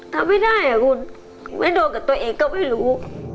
ทำไม่ได้อ่ะคุณไม่โดนกับตัวเองก็ไม่รู้